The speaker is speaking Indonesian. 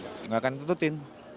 tidak akan ditutupin